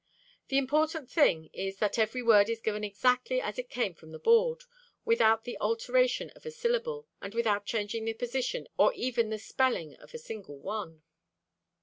The important thing is that every word is given exactly as it came from the board, without the alteration of a syllable, and without changing the position or even the spelling of a single one.